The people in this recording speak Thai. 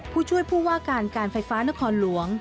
ผู้ช่วยผู้ว่าการการไฟฟ้านครหลวง